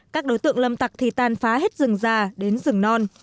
các đối tượng lâm tạc thì tan phá hết rừng già đến rừng non